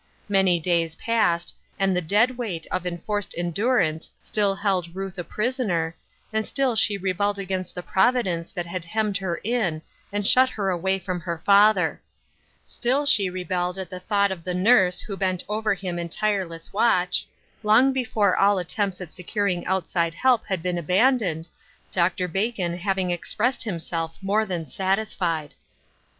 Many days passed, and the dead weight of enforced en durance still held Ruth a prisoner, and still she rebelled against the providence that had hemmed her in and shut her away from her father ; still she rebelled at the thought of the nurse who bent over him in tireless watch, long before aU attempts at securing outside help had been abandoned. Dr. Bacon having expressed himself more than satisfied.